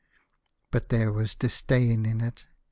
But there was disdain in it.